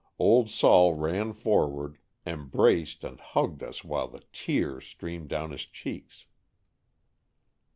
'*01d Sol" ran forward, embraced and hugged us while the tears streamed down his cheeks.